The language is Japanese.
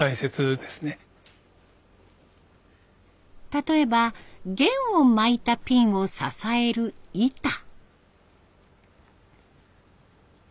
例えば弦を巻いたピンを支える板。